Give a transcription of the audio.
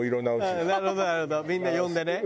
みんな呼んでね。